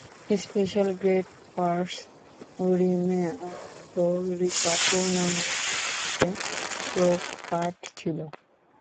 Special-grade curse, Orimoto Rika, পুর্ণাঙ্গরূপে প্রকাট ছিলো।